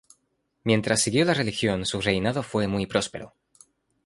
Mientras siguió la religión su reinado fue muy próspero.